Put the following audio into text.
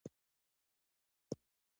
• بادام د نورو صحي خوړو سره ښه ترکیب ورکوي.